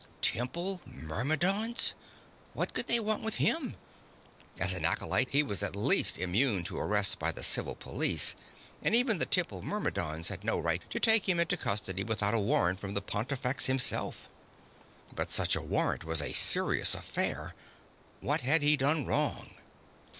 Temple Myrmidons! What could they want with him? As an acolyte, he was at least immune to arrest by the civil police, and even the Temple Myrmidons had no right to take him into custody without a warrant from the Pontifex himself. But such a warrant was a serious affair. What had he done wrong?